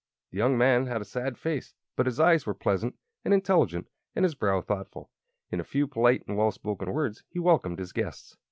The young man had a sad face, but his eyes were pleasant and intelligent and his brow thoughtful. In a few polite and well chosen words he welcomed his guests.